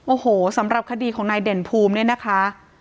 โอ้โหสำหรับคดีของนายเด่นภูมิเนี่ยนะคะ